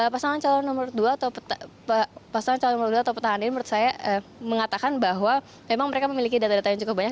pasangan calon nomor dua atau petahana ini menurut saya mengatakan bahwa memang mereka memiliki data data yang cukup banyak